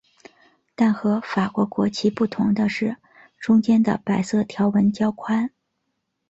但和法国国旗不同的是中间的白色条纹较宽。